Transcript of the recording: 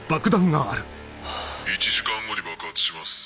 １時間後に爆発します。